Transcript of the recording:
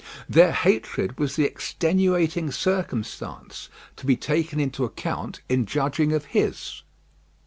Their hatred was the extenuating circumstance to be taken into account in judging of his.